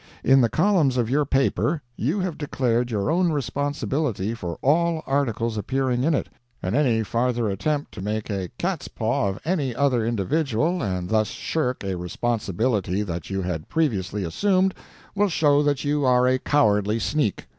In the columns of your paper you have declared your own responsibility for all articles appearing in it, and any farther attempt to make a catspaw of any other individual and thus shirk a responsibility that you had previously assumed will show that you are a cowardly sneak.